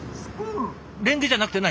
レンゲじゃなくて何？